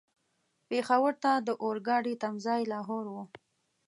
پېښور ته د اورګاډي تم ځای لاهور و.